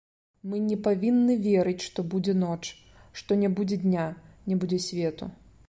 Мы не павінны верыць, што будзе ноч, што не будзе дня, не будзе свету!